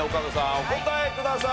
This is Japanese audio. お答えください。